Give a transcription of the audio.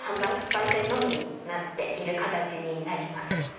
売店のみになっている形です。